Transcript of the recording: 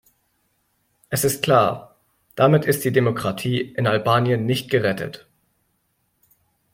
Es ist klar, damit ist die Demokratie in Albanien nicht gerettet.